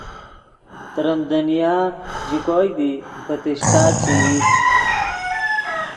تریم دنیا ژے کوئے دی پتیشچا چے ای